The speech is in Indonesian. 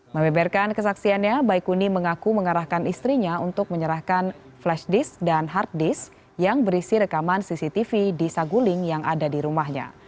membeberkan kesaksiannya baikuni mengaku mengarahkan istrinya untuk menyerahkan flash disk dan hard disk yang berisi rekaman cctv di saguling yang ada di rumahnya